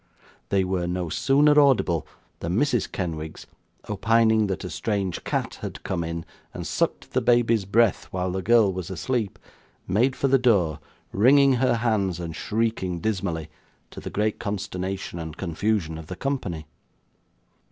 They were no sooner audible, than Mrs. Kenwigs, opining that a strange cat had come in, and sucked the baby's breath while the girl was asleep, made for the door, wringing her hands, and shrieking dismally; to the great consternation and confusion of the company.